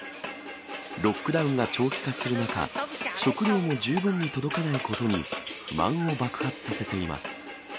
ロックダウンが長期化する中、食料も十分に届かないことに、不満を爆発させています。